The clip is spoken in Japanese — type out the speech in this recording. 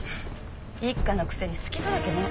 一課のくせに隙だらけね。